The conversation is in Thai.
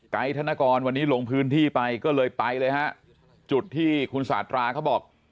ธนกรวันนี้ลงพื้นที่ไปก็เลยไปเลยฮะจุดที่คุณสาธาราเขาบอก